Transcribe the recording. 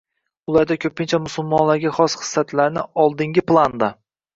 Ularda koʻpincha musulmonlarga xos hislatlarni oldingi planda.